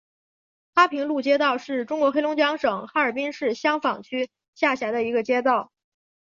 哈平路街道是中国黑龙江省哈尔滨市香坊区下辖的一个街道。